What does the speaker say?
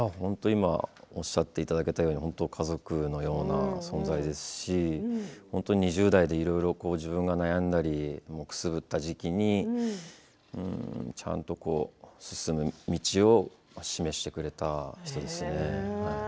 おっしゃっていただけたように家族のような存在ですし２０代でいろいろ自分が悩んだりくすぶった時期にちゃんと進む道を示してくれた人ですね。